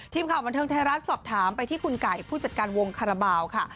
ทีมข่าวบันเทิงไทยรัฐสอบถามไปที่คุณไก่ผู้จัดการวงคาราบาลค่ะ